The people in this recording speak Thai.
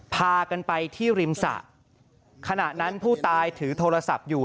พากันไปที่ริมสระขณะนั้นผู้ตายถือโทรศัพท์อยู่